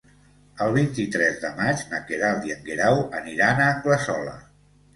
El vint-i-tres de maig na Queralt i en Guerau aniran a Anglesola.